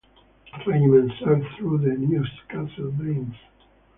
The regiment served through the Newcastle Blitz.